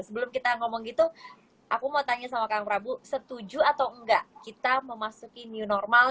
sebelum kita ngomong gitu aku mau tanya sama kang prabu setuju atau enggak kita memasuki new normal